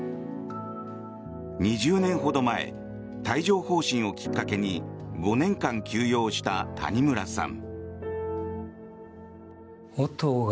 ２０年ほど前帯状疱疹をきっかけに５年間休養した谷村さん。